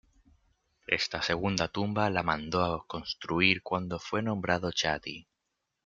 Esta segunda tumba la mandó construir cuando fue nombrado chaty.